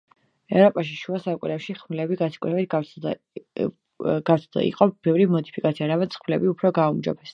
ევროპაში შუა საუკუნეებში ხმლები განსაკუთრებით გავრცელდა, იყო ბევრი მოდიფიკაცია რამაც ხმლები უფრო გააუმჯობესა.